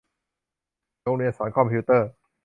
โรงเรียนสอนคอมพิวเตอร์